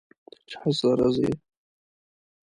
د چا سره ځئ؟